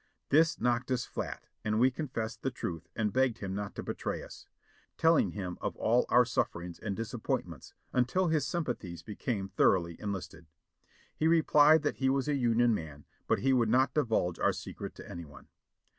This knocked us flat and we confessed the truth and begged him not to betray us, telling him of all our sufferings and disap pointments, until his sympathies became thoroughly enlisted. He replied that he was a Union man but he would not divulge our secret to any one.